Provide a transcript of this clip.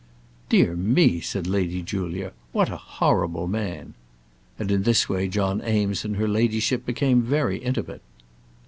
"Dear me!" said Lady Julia, "what a horrible man!" And in this way John Eames and her ladyship became very intimate.